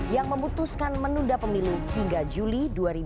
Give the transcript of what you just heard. yang memutuskan menunda pemilu hingga juli dua ribu dua puluh